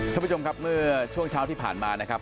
ท่านผู้ชมครับเมื่อช่วงเช้าที่ผ่านมานะครับ